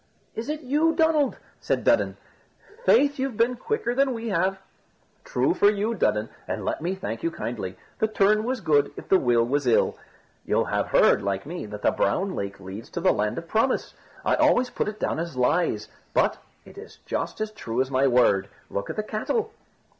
"Is it you, Donald?" said Dudden. "Faith, you've been quicker than we have." "True for you, Dudden, and let me thank you kindly; the turn was good, if the will was ill. You'll have heard, like me, that the Brown Lake leads to the Land of Promise. I always put it down as lies, but it is just as true as my word. Look at the cattle."